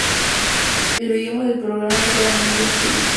El idioma del programa es solamente en chino.